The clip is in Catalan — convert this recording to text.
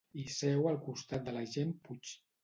Hi seu al costat de l'agent Puig.